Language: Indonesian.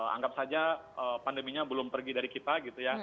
anggap saja pandeminya belum pergi dari kita gitu ya